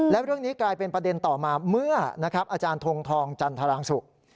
และเรื่องนี้กลายเป็นประเด็นต่อมาเมื่อนะครับอาจารย์ทงทองจันทรางสุก